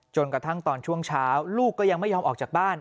จนกระทั่งตอนช่วงเช้าลูกก็ยังไม่ยอมออกจากบ้าน